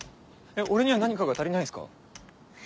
俺には何かが足りないんすか？